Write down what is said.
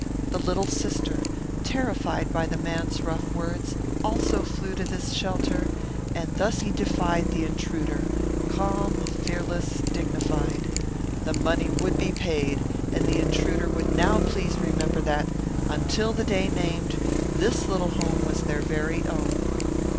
The little sister, terrified by the man's rough words, also flew to this shelter, and thus he defied the intruder, calm, fearless, dignified. The money would be paid and the intruder would now please remember that, until the day named, this little home was their very own.